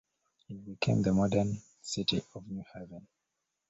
It became the modern city of New Haven.